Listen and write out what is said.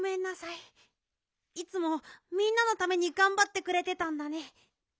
いつもみんなのためにがんばってくれてたんだね。